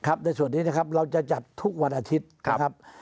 ในส่วนนี้นะครับเราจะจัดทุกวันอาทิตย์นะครับ